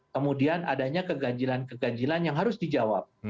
kemudian adanya keganjilan keganjilan yang harus dijawab